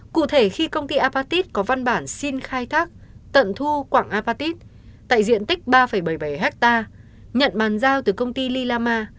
cụ thể khi công ty apatis có văn bản xin khai thác tận thu quảng apatit tại diện tích ba bảy mươi bảy ha nhận bàn giao từ công ty lilama